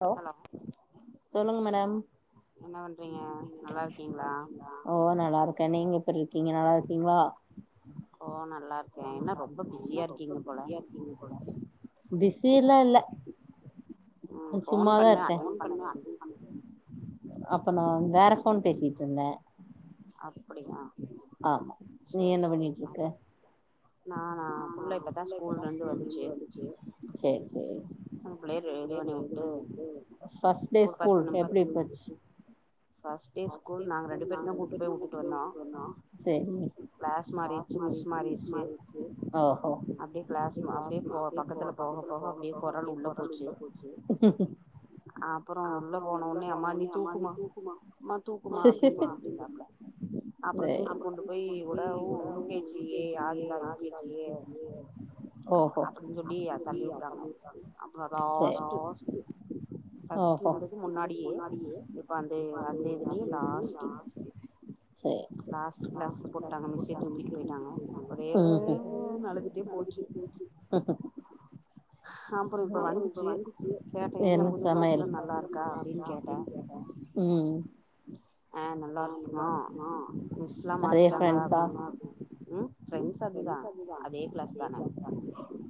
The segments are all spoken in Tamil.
ஹலோ சொல்லுங்க மேடம் ஓ நல்லாருக்கே நீங்க எப்புற்ருக்கீங்க நல்லாருக்கீங்ளா ஒ நல்லாருக்கே என்ன ரொம்ப பிஸியா இருக்கீங் போல பிஸி சிலா இல்ல கொஞ்ச சும்மாதா இருக்கே அப்ப நா வேற ஃபோன் பேசிட் சொன்ன அப்படியா செர் செர் [unintelligible] செரி செரி ஃபஸ் டே ஸ்கூல் எப்புடி போச்சு செ [unintelligible] ஒ ஒ மா தூக்குமா அப்டின் சொல்லிட்டுருந்தாப்புல அப்புறோ தூக்கி கொண்டு போய் உடவு யூ கே ஜி எ ஆதிலா யூ கே ஜி எ எ அப்படின் சொல்லி தள்ளி வுட்டாங்க அப்றோ லாஸ்ட்டு ஃபஸ்ட்டு இர்ந்துது முன்னாடியே இப்ப அந்த அந்த இதுலியே லாஸ்ட்டு சரி சரி ம்ஹூ என்ன சமையல் உம் ஆஹ் நல்லா இருக்கு மா மிஸ்லா மாறிட்டாங்களா அப்படின்னு உஹ்ம் ஃப்ரண்ட்ஸ் அதுதா அதே கிளாஸ் தான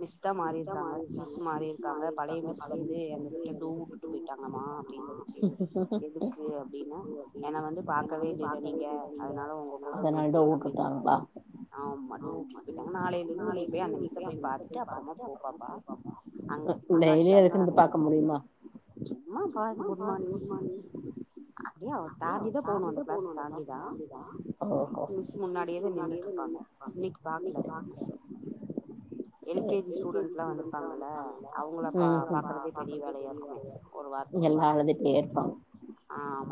மிஸ் தா மாறிருக்காங்க மிஸ் மாறிருக்காங்க பழைய மிஸ் வந்து எங்க கிட்ட டூ உட்டுட்டு போயிட்டாங்கம்மா அப்படின்னு சொல்லுச்சு எதுக்கு அப்டின்னா என்னை வந்து பாக்கவே இல்லைல நீங்க அதனால உங்க கூட டுவு அப்படின்னு சொல்லி ஆமா டூ உட் நாளைல இருந்து நீ போய் அந்த மிஸ்ஸ போய் பாத்துட்டு அப்புறமா போ பாப்பா அங்க முன்னாடி கிளாஸ் தான சும்மா பாத்து குட்மார்னிங் அப்டியே ஓஹோ ல் கே ஜீ ஸ்டுடென்ட்லா வந்து இருப்பாங்களா அவங்கள பாக்குறதே பெரிய வேலையா இருக்கும்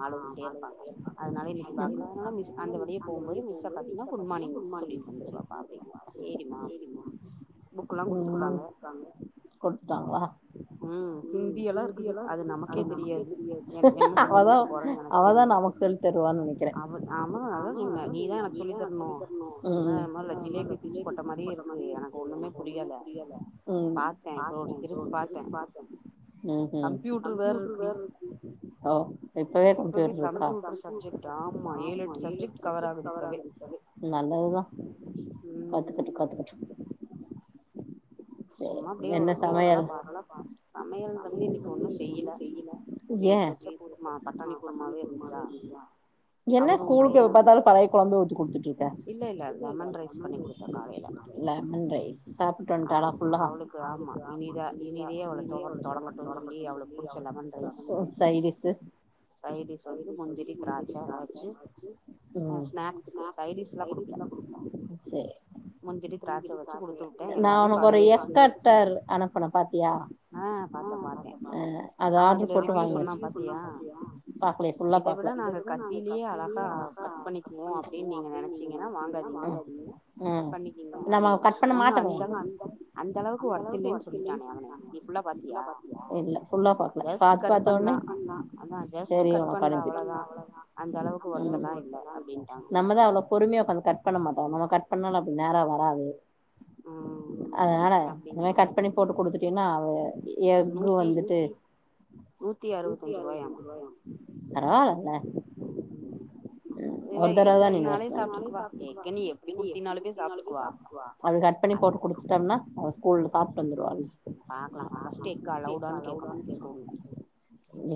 ஆ மாலை பாங்க அதனால இன்னைக்கு பாக்லா நாலே மிஸ் அந்த வழியா போம்போது மிஸ்ஸ பாத்தீங்க்னா குட் மார்னிங் மிஸ் சொல்லிட்டு வந்துடுவாங்க அப்டி சேரிமா அப்டி புக் எல்லா குடுத்துருக்காங்க உஹ்ம் ஹிந்திய எல்லா இருக்குது அது நமக்கே தெரியாது என் என்ன சொல்லி கொடுக்க போறேன்னு எனக்கு தெரில அவ ஆமா அதா சொன்ன நீதா எனக்கு சொல்லி தரணு என்னா எமா ஜிலேபி பிச்சு போட்ட மாரியே இருக்கு எனக்கு ஒண்ணுமே புரியல பாத்தே [unintelligible] நோட் திருப்பி பாத்தே கம்பியூட்டர் வேற இருக்குடி இப்பவே கம்ப்யூட்டர் சப்ஜெக்ட் ஆமா ஏழு எட்டு சப்ஜெக்ட் கவர் ஆகுது இப்பவே கத்துக்குட்டு கத்துக்குட்டு சேர் என்ன சமையல் ஏ என்ன ஸ்கூல்க்கு எப்ப பாத்தாலு பழைய கொழம்பே ஊத்திக் குடுத்துருக்க லெமன் ரைஸ் சாப்பிட்டு வன்டானா ஃபுல் அவளுக்கு ஆமா இனிதா இனிதே அவள தொங்க தொடங்கட்டுன்னு சொல்லி அவளுக்கு புடிச்ச லெமன் ரைஸ் சைடிஷ் வந்து முந்திரி திராட்சா வச்சு ஆஹ் ஸ்நாக்ஸுக்கு சைடிஷ்ல்லா கொடுக்ல சு நா உனக்கு ஒரு ஏ டக் கட்டர் அனுப்பனு பா தியா அது ஆர்டர் போட்டு வாங்கி வச் பாக்கலைய ஃபுல்லா பாக்கல ஆஹ் பண்ணிக்கீங்க அப்டின்னு ஒன்னு அந்த அளவு அந்த அளவுக்கு ஒர்த்து இல்லன்னு சொல்லிட்டானே அவனெ இல்ல ஃபுல்லா பாக்கல பாதி பாத்த ஒடனே சரி நா கலம்பிட உம் நம்ம தா அவ்ளோ பொறுமையா ஒக்கார்ந்து கட் பண்ண மாட் நம்ம கட் பண்ணாலு அப்டி நேரா வராது அதனால இன்மே கட் பண்ணி போட்டு குடுத்துட்டீன்னா அ எக்கு வந்துட்டு பரவாலல்ல இவ எக்குனாலே சாப்பிட்டுக்குவா எக்கு அது கட் பண்ணி போட்டு குடிச்சுட்டோம்னா அவச் ஸ்கூல்ல சாப்டு வந்துருவாள்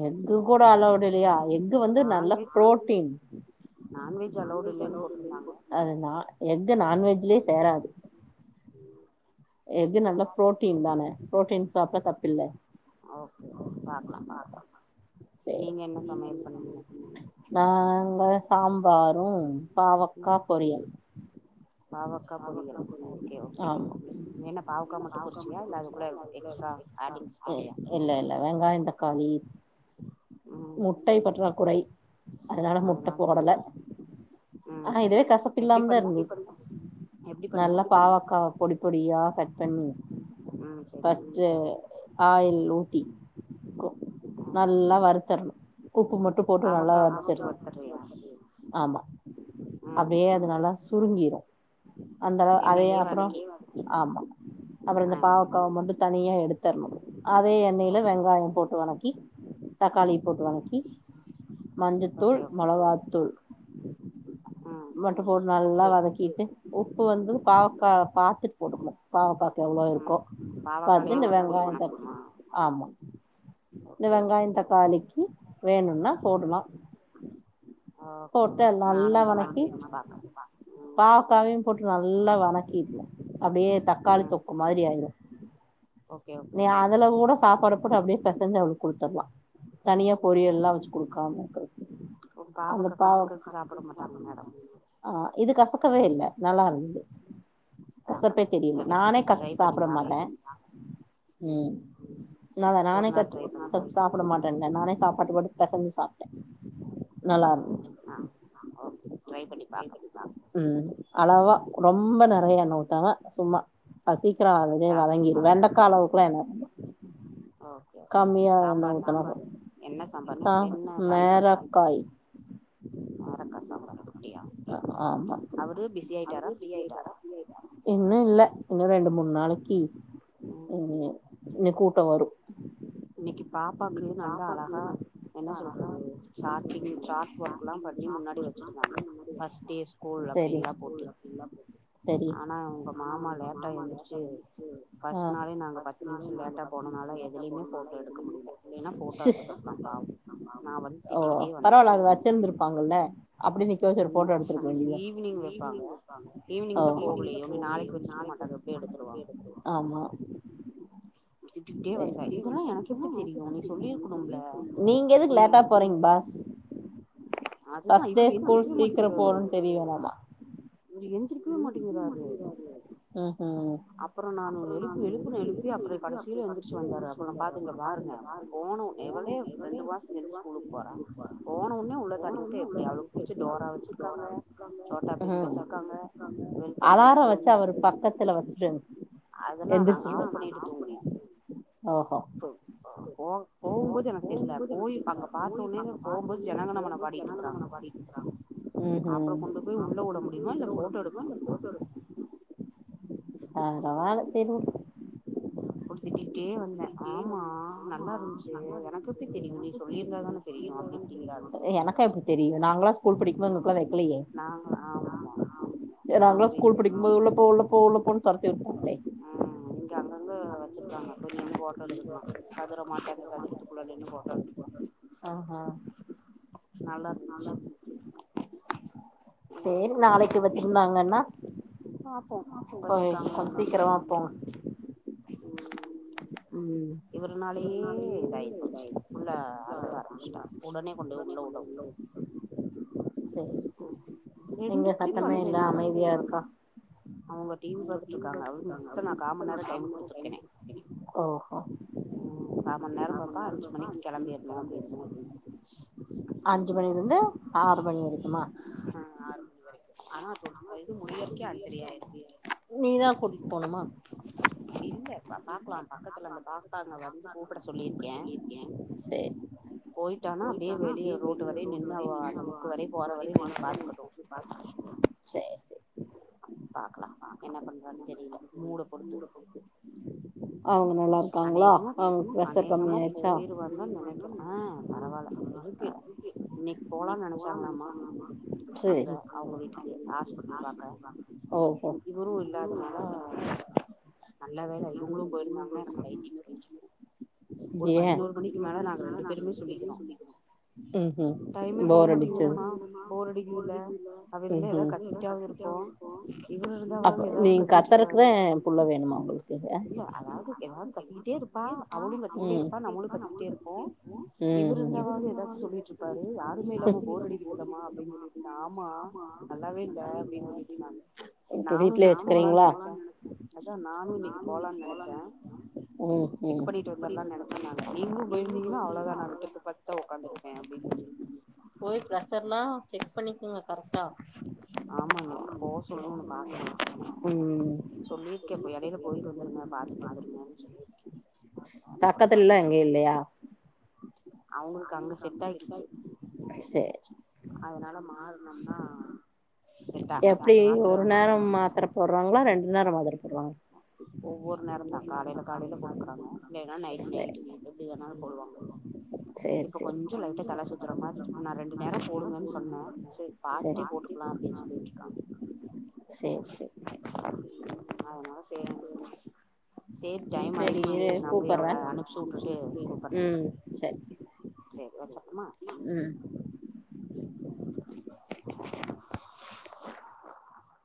எக்கு கூட அல்லோவுட் இல்லையா எக்கு வந்து நல்லா ப்ரோட்டின் அ எக்கு நான்வெஜ்லயே சேராது எக்கு நல்ல பு்ரோட்டீன் தானே புரோட்டீன் சாப்டா தப்பில சேர் நாங்க சாம்பாரு பாவக்கா பொரியல் ஆமா இ இல்ல இல்ல வெங்காய தக்காளி முட்டை பற்றா குறை அதனால முட்ட போடல ஆஹ் இதுவே கச எப்படி பண்ண நல்லா பாவக்காவா பொடி பொடியா கட் பண்ணி பஃஸ்ட்டு அ ஆயில் ஊத்தி நல்லா வருத்தரணு உப்பு மட்டும் போட்டு நல்லா வருத்தருனும் ஆமா அப்டியே அது நல்லா சு சுருங்கிரும் அந்த அதே அப்புறோ ஆமா அப்புறோ இந்த பாவக்காவ மட்டோ தனியா எடுத் தரனும் அதே எண்ணெயில வெங்காயம் போட்டு வணக்கி தக்காளிய போட்டு வணக்கி மஞ்சத்தூள் மொளகாத்தூள் மட்டு போட்டு நல்லா வதக்கிட்டு உப்பு வந்து பாவக்கா பாத்துட்டு போட்டுக்கணு பாவக்ககு எவ்வளோ இருக் கோ பாத்துட்டு இந்த வெங்காயோ தக்க ஆமா இந்த வெங்காயோ தக்காளிக்கு வேணுனா. போடுண ஓ நானு இந்த மாரி செஞ்சி பாக்கற உம் காய்யையும் போட்டு நல்லா வனக்கிகனு அப்டியே தக்காளி தொக்கு மாரி ஆயிரோ நீ அதுல கூட சாப்பாடு உட அப்டியே பெசஞ்சி அவுளுக்கு குடுத்தத்துடலா தனியா பொரியல்லா வெச்சு கொடுக்காமக்குற. ஒ பாவக்க கசக்குதுன்னு சாப்ட மாட்டாங்க மேடோ க்கவே இல்ல நல்லா இருந்தது கசப்பே தெரியல நானே கசப்பு சாப்பட மாட்டே உம் நா அத்தா நானே கத் சாப்புட மாட்டேன்ல நானே சாப்பாட்டுக்கு போட்டு பெசைஞ்சு சாப்பிட்டே நல்லா இருந்தது ஆஹ் ஓகே ட்ரை பண்ணி பாக்குறோம் அளவா ரொம்ப நெறைய எண்ண உத்தாம சும்மா பசிக். [unintelligible] வதங்கி வெண்டக்கா அளவு வேனு ஓகே சாம்பாரு என்ன சா மேராக்காய் மேரக்கா சாம்பார் குட்டியா அவரு பிஸி ஆயிட்டாரா ஃப்ரி ஆயிட்டாரா இன்னு ரெண்டு மூணு நாளைக்கு இ இன்ன கூட்டோ வரும் இன்னைக்கு பாப்பாக்கு நல்ல அழகா என்ன சொல்றது சார்டிங் சார்ட் ஒர்க் லா பண்ணி முன்னாடி வச்சுருந்தாங்க ஃபஸ்ட் டே ஸ்கூல் அப்படின்லா போட்டு ஆனா உங்க மாமா லேட்டா எந்திருச்சு ஃபர்ஸ்ட் நாளே நாங்க பத்து நிமிஷம் லேட்டா போனனால எதுலேயுமே போட்டோ எடுக்க க்க முடியல இல்லைன்னா போட்டோ எடுத்துருக்கலா பாவம் நா வந்து திட்டிக்கிட்டே வந்தே இருப்பாங்கல்ல அப்டின்னு ஈவினிங் வைப்பாங்க ஈவினிங் தா போகலயே ஒன்னு நாளைக்கு வச்சிருக்க மாட்டாங்க அப்டியே எடுத்துருவாங்க நீங்க எதுக்கு லேட்டா போறீங் பாஸ் ஃபஸ்டே ஸ்கூல் சீக்கிரம் போணுன் தெரிய வேணாமா இவரு எந்திருக்குவே மாட்டேங்கிறாறு அப்புறோ நானு எழுப்பு எழுப்புன்னு எழுப்பி அப்புறோ கடைசியில எந்திரிச்சு வந்தாரு அப்புறம் பாத்து இங்க பாருங்க போனோ எவளே ரெண்டு மாசம் இங்கருந்து ஸ்கூலுக்கு போறா போன உன்னே உள்ள [unintelligible] பிடிச்ச டோரா வச்சிருக்காங்க சோட்டா பீம் வச்சிருக்கா க வெல்கம் டு ஸ்கூல்னு அதல்லா நாங்க ஆஃப் பண்ணிட்டு தூங்குவோ போ போம்போது எனக்கு தெரில போய் அங்க பாத்த ஒனே போம்போது ஜனகனமன ம் ம் உள்ள விட முடியுமா இந்த போட்டோ எடு பரவால சேரி உடு எனக்கு எப்படி தெரியு நாங்களா ஸ்கூல் படிக்கும்போது எங்களுக்கெல்லா வெக்கலயே நாங்கள்ளா ஸ்கூல் படிக்கும்போது உள்ளப்போ உள்ளப்போ உள்ளப்போனு துரத்தி உம் இங்க அங்கங்க வெச்சிருக்காங்க போய் நின்னு போட்டோ எடுத்துக்கணா சதுர மாட்டா சதுரத்துக்குள்ள நின்னு போட்டோ எடுத்துக்கலா நல்லா இருந்துச்சு சேரி நாளைக்கு வெச்சிருந்தாங்கன்னா கொஞ்சோ சீக்கிரமா போங்க சேரி எங்க சத்தமே இல்ல அமதியா இருக்கா ஓஹோ அஞ்சு மணிலந்து ஆறு பணி இரு ஆமா ஆறு மணி வரைக்கும் ஆனா இது முழியறைக்கே அஞ்சலயிரு இல்ல பாக்கலாம் பக்கத்துல அந்த பாங்க வந்து கூப்பிட சொல்லிருக்கே போயிட்டானா அப்புடியே வெளியே ரோட்டு வர நின்னு அந்த முக்கு வர வர வரயு நீ என்ன பாத்துக்கட்டு [unintelligible] சேரி சே பாக்கலா என்ன பண்றான்னு தெரியல மூட பொடுத்து அநேகமு அநேகமா போயிருனுதா நெனக்குறே ஆ பரவாயில்ல இருக்கு இன்னைக்கு போலாம்னு நெனச்சாங்களாமா அங்க அவுங்க வீட்டுக்கு ஹாஸ்பிட்டல் பாக்க இவரும் இல்லாதனால நல்ல வேல இவுங்களு போயிருந்தாங்கன்னா எனக்கு பைத்தியமே பிடிச்சிருக்கு ஒரு பதினோரு மணிக்கு மேல நாங்க ரெண்டு பேருமே சொல்லிக்கிறோ டைமே போக மாட்டேங்கு இல்லமா போர் அடிக் வியூல அவில இருந்து எதாவது கத்துக்கிட்டாவு இருப்போ இவர்ரு இருந்தாவாவது எதாவது கத்திட்டு இருப்பாரு இல்ல அதாவது எதாவது கத்தக்கிட்டே இருப்பா அவளும் கத்தக்கிட்டே இருப்பா நம்மளும் கத்துக்கிட்டே இருப்போ இவர் இருந்தாவது எதாச்சும் சொல்லிட்டு இருப்பாரு யாருமே இல்லாமோ போர் அடிக்கு இல்லமா அப்படின்னு சொல்லிட்டு ஆமா நல்லாவே இல்ல அப்டின்னு சொல்லிட்ருக்காங்க நானும் இன்னைக்கு போலாம்னு நெனைச்சே அதான் நானும் இன்னைக்கு போகலான்னு நெனச்சே செக் பண்ணிட்டு வந்தரலாம்னு நெனச்சே நால நீங்களும் போயிருந்தீங்கன்னா அவ்ளோதா நா விட்டுது பத்து உக்காந்துருப்பே அப்டின்னு சொல்லி [unintelligible] ஆமானே போக சொல்லும்னு பாக்கலா சொல்லிருக்கே இப்போ எடயில போயிட்டு வந்துருங்க பாத்துட்டு வந்துருங்கு சொல்லிருக்கே என்ன பண்றாங்கு தெரிய அவுங்களுக்கு அங்க செட் ஆகிருச்சு அதனால மாறோனம்னா எப்டி ஒரு நேரேம் மாத்ர போடறாங்களா ரெண்டு நேரோ மாத்ர போடுறாங்களா சேரி சேரி சேரி அப்டி சொல்லிட்ருக்காங் ம் அதனால ச சேரி டைம் ஆயிடுச்சு நா போயி அவள அனுப்சுட்டுட்டு கூப்புற, சேரி வச்சர. அம்மா ம் உம்